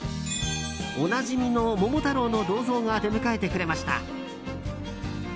おなじみの桃太郎の銅像が出迎えてくれました。